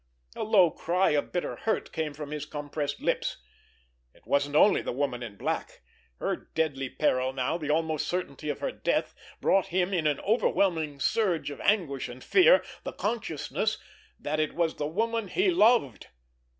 A low cry of bitter hurt came from his compressed lips. It wasn't only the Woman in Black! Her deadly peril now, the almost certainty of her death, brought him, in an overwhelming surge of anguish and fear the consciousness that it was the woman he loved.